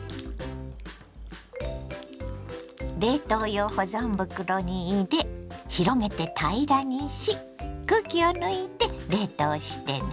冷凍用保存袋に入れ広げて平らにし空気を抜いて冷凍してね。